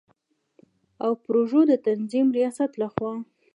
او پروژو د تنظیم ریاست له خوا